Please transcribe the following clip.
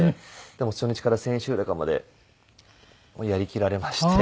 でも初日から千秋楽までやり切られまして。